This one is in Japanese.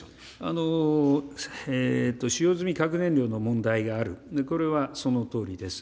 使用済み核燃料の問題がある、これはそのとおりです。